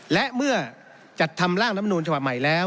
และเมื่อจัดทำร่างรัฐมนูลฉบับใหม่แล้ว